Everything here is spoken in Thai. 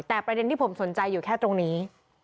แต่ประเด็นที่ผมสนใจอยู่แค่ตรงนี้